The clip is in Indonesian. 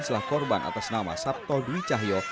setelah korban atas nama sabto dwi cahyo